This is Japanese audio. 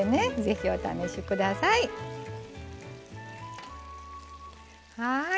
ぜひお試しください。